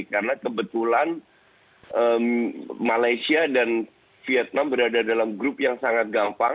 karena kebetulan malaysia dan vietnam berada dalam grup yang sangat gampang